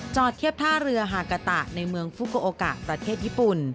เทียบท่าเรือฮากาตะในเมืองฟุโกโอกะประเทศญี่ปุ่น